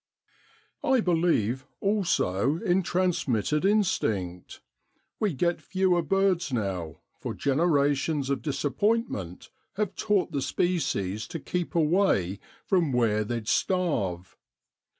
'I believe, also, in transmitted instinct; we get fewer birds now, for genera tions of disappointment have taught the species to keep away from where they'd starve.